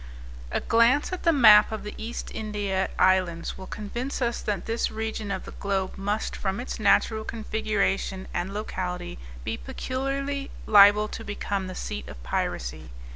A glance at the map of the East India Islands will convince us that this region of the globe must, from its natural configuration and locality; be peculiarly liable to become the seat of piracy.